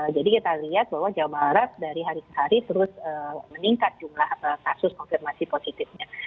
jadi kita lihat bahwa jawa barat dari hari ke hari terus meningkat jumlah kasus konfirmasi positifnya